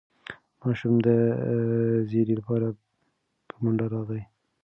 ماشوم د زېري لپاره په منډه راغی.